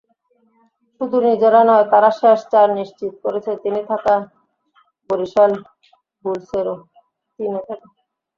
শুধু নিজেরা নয়, তারা শেষ চার নিশ্চিত করেছে তিনে থাকা বরিশাল বুলসেরও।